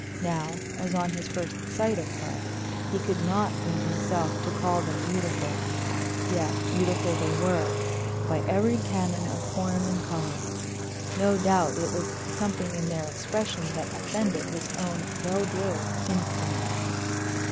Now, as on his first sight of her, he could not bring himself to call them beautiful. Yet beautiful they were, by every canon of form and color. No doubt it was something in their expression that offended his own well drilled instincts.